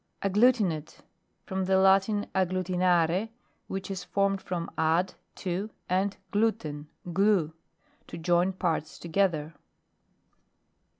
AGGLUTINATE. From the Latin ag. glutinure, which is formed from ad t to, and gluten, glue : to join parts together.